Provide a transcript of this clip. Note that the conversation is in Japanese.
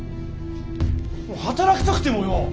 働きたくてもよ